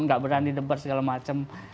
nggak berani debat segala macam